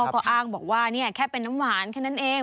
ก็อ้างบอกว่าแค่เป็นน้ำหวานแค่นั้นเอง